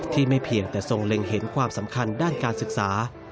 ไม่เพียงแต่ทรงเล็งเห็นความสำคัญด้านการศึกษา